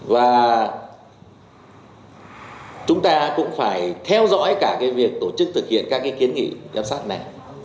và chúng ta cũng phải theo dõi cả cái việc tổ chức thực hiện các kiến nghị giám sát này